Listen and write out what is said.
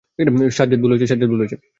সাজ্জাদ, ভুল হয়েছে।